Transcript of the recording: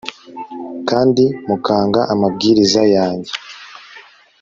kandi mukanga amabwiriza yanjye